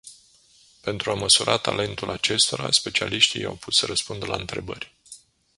Pentru a măsura talentul acestora, specialiștii i-au pus să răspundă la întrebări.